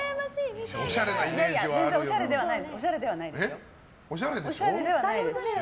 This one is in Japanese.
見たい！全然おしゃれではないですよ。